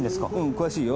詳しいよ。